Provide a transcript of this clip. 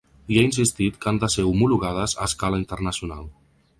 I ha insistit que han de ser ‘homologades a escala internacional’.